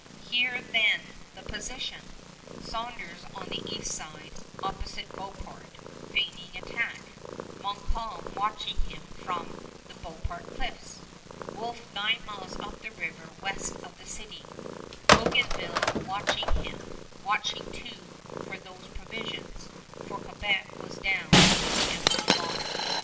Here, then, the position! Saunders on the east side, opposite Beauport, feigning attack; Montcalm watching him from the Beauport cliffs; Wolfe nine miles up the river west of the city; Bougainville watching him, watching too for those provisions, for Quebec was down to empty larder.